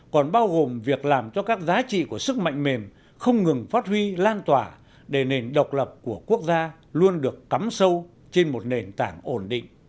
còn bao gồm việc làm cho các giá trị của sức mạnh mềm không ngừng phát huy lan tỏa để nền độc lập của quốc gia luôn được cắm sâu trên một nền tảng ổn định